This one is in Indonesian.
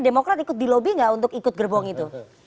demokrat ikut di lobi nggak untuk ikut gerbong itu